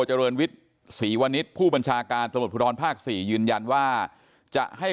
เจริญวิทย์ศรีวณิชย์ผู้บัญชาการตำรวจภูทรภาค๔ยืนยันว่าจะให้